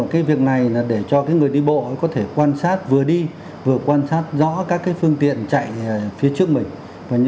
khiến cho người đi bộ gặp rất nhiều khó khăn